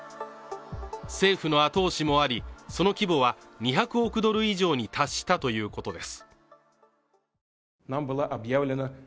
政府の後押しもあり、その規模は２００億ドル以上に達したということです。